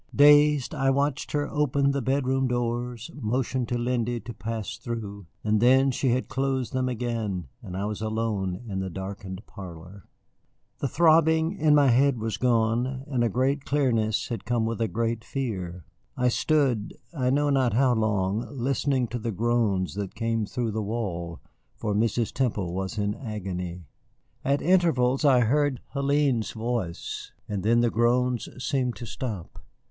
Dazed, I watched her open the bedroom doors, motion to Lindy to pass through, and then she had closed them again and I was alone in the darkened parlor. The throbbing in my head was gone, and a great clearness had come with a great fear. I stood, I know not how long, listening to the groans that came through the wall, for Mrs. Temple was in agony. At intervals I heard Hélène's voice, and then the groans seemed to stop.